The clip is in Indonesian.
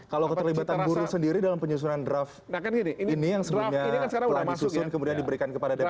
kalau keterlibatan buruh sendiri dalam penyusunan draft ini yang sebelumnya telah disusun kemudian diberikan kepada dpr